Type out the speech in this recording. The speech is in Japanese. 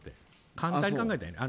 簡単に考えたらいいねん。